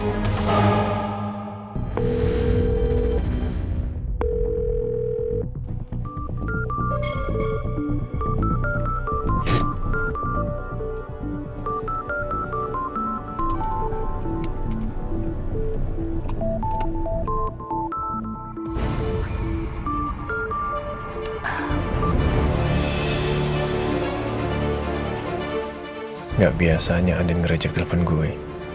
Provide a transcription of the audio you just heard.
tidak biasanya andien reject telepon gue